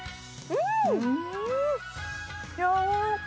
うん！